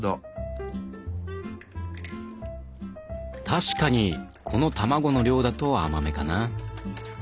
確かにこの卵の量だと甘めかな。